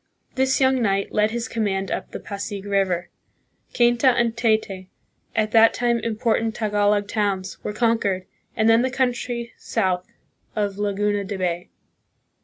This young knight led his command up the Pasig River. Cainta and Taytay, at that time impor tant Tagalog towns, were conquered, and then the coun try south of Laguna de Bay.